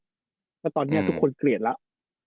แล้วตอนนี้ทุกคนเกลียดแล้ว